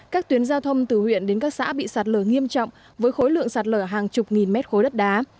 các tuyến giao thông từ huyện đến các xã bị sạt lở nghiêm trọng với khối lượng sạt lở hàng chục nghìn mét khối đất đá